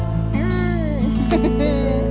jangan kaget pak dennis